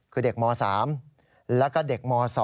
คือเด็กม๓แล้วก็เด็กม๒